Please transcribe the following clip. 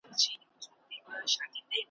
ستا به هېر سوی یم خو زه دي هېرولای نه سم ,